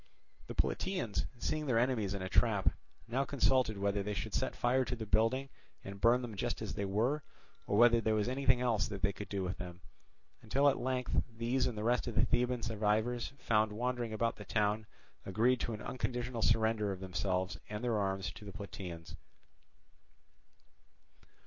The Plataeans, seeing their enemies in a trap, now consulted whether they should set fire to the building and burn them just as they were, or whether there was anything else that they could do with them; until at length these and the rest of the Theban survivors found wandering about the town agreed to an unconditional surrender of themselves and their arms to the Plataeans.